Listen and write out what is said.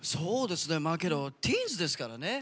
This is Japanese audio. けどティーンズですからね。